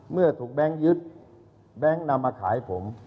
เมื่อถูกแบงค์ยึดแบงค์นำมาขายผม